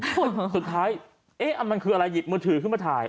สุดท้ายเอ๊ะมันคืออะไรหยิบมือถือขึ้นมาถ่าย